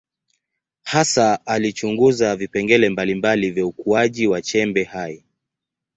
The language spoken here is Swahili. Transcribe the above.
Hasa alichunguza vipengele mbalimbali vya ukuaji wa chembe hai.